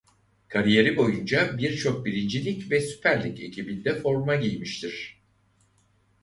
Kariyeri boyunca birçok Birinci Lig ve Süper Lig ekibinde forma giymiştir.